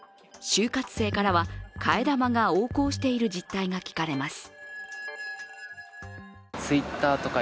就活生からは替え玉が横行している実態が聞かれます。